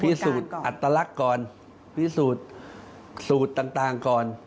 พิสูจน์อัตลักษณ์ก่อนพิสูจน์สูตรต่างก่อน